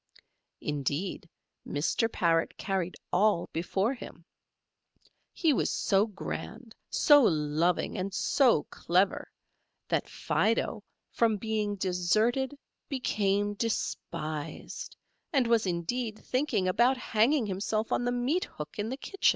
Indeed, Mr. Parrot carried all before him; he was so grand, so loving, and so clever, that Fido from being deserted became despised, and was indeed thinking about hanging himself on the meat hook in the kitchen.